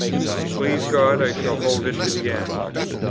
Please God, I shall hold it to the end.